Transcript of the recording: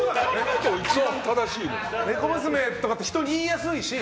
猫娘とかって人に言いやすいし。